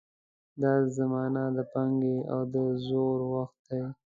دا زمان د پانګې او د زرو وخت دی.